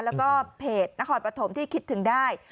แล้วก็เพจนครปฐมที่คิดถึงได้